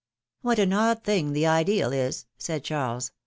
What an odd thing, the ideal is!" said Charles.